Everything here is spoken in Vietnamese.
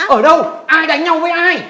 ở đâu ai đánh nhau với ai